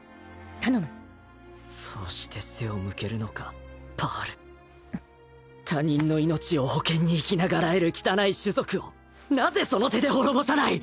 頼むそうして背を向けるんっ他人の命を保険に生き永らえる汚い種族をなぜその手で滅ぼさない！